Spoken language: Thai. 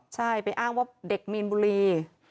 ใช่ไปอ้างว่าเด็กมีนบุรี